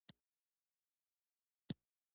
نه شوه لکړه اژدها نه دریاب دوه ځایه شو.